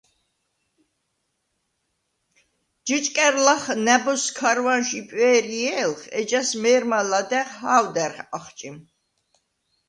ჯჷჭკა̈რ ლახ ნა̈ბოზს ქარვანშვ იპვე̄რჲე̄ლხ, ეჯას მე̄რმა ლადა̈ღ ჰა̄ვდა̈რ ახჭიმ.